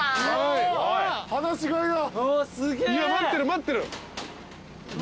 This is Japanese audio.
いや待ってる待ってる。